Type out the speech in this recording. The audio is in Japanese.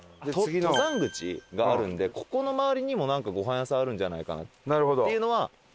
登山口があるんでここの周りにもなんかごはん屋さんあるんじゃないかなっていうのは。